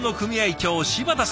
長柴田さん。